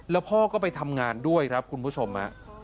แล้วพ่อก็ไปทำงานด้วยครับคุณผู้ชม